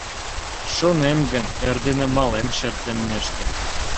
Шонем гын, эрдене малем шер теммешке.